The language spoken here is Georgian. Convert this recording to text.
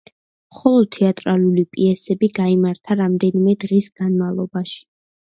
მხოლოდ თეატრალური პიესები გაიმართა რამდენიმე დღის განმავლობაში.